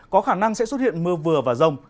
có khả năng sẽ xuất hiện mưa vừa và rông